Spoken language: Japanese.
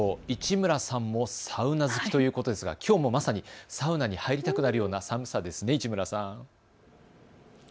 市村さんもサウナ好きということですがきょうもまさにサウナに入りたくなるような寒さですね、市村さん。